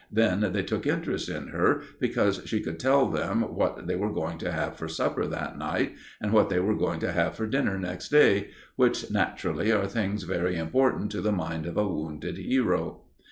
Then they took interest in her, because she could tell them what they were going to have for supper that night, and what they were going to have for dinner next day, which, naturally, are things very important to the mind of a wounded hero.